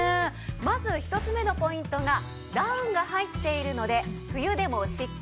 まず１つ目のポイントがダウンが入っているので冬でもしっかりあったか。